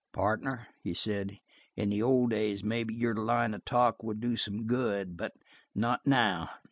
"Partner," he said, "in the old days, maybe your line of talk would do some good, but not now.